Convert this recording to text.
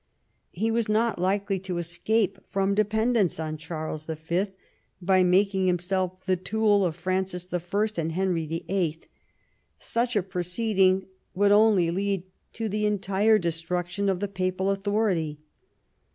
He was not likely to escape from dependence on Charles V. by making him self the tool of Francis L and Henry VHI. ; such a pro ceeding would only lead to the entire destruction of the papal authority.